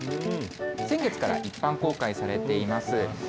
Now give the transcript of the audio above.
先月から一般公開されています。